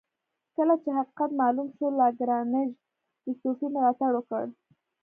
کله چې حقیقت معلوم شو لاګرانژ د صوفي ملاتړ وکړ.